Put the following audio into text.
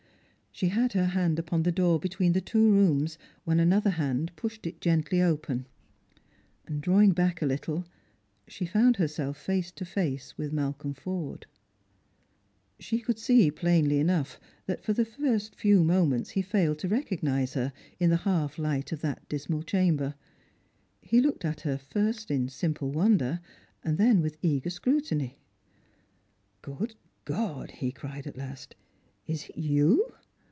She had her hand upon the door between the two rooms, when another hand pushed it gently open. Drawing back a little, she found herself face to face with Malcolm Forde. Strangers and Pilgrims, 311 She could see, plainly enough, that for the first few moments he failed to recognise her in the half light of that dismal chamber. He looked at her, first in simple wonder, then with eager scrutiny. " Good God," he cried at last, " is it you